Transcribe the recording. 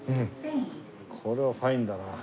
これはファインだな。